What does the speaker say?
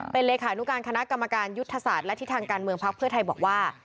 เป็นเลขานุการคณะกรรมการยุทธศาสตร์และทิศทางการเมืองพักเพื่อไทยบอกว่า